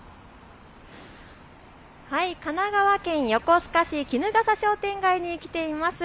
神奈川県横須賀市衣笠商店街に来ています。